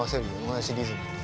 同じリズムに。